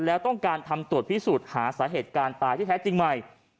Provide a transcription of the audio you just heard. แล้วต้องการทำตรวจพิสูจน์หาสาเหตุการณ์ตายที่แท้จริงใหม่